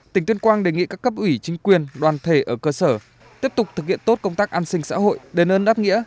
tỉnh tuyên quang đề nghị các cấp ủy chính quyền đoàn thể ở cơ sở tiếp tục thực hiện tốt công tác an sinh xã hội đề ơn đáp nghĩa